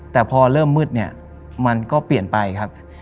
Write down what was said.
แต่พอเริ่มมืดเนี่ยมันก็เปลี่ยนไปครับ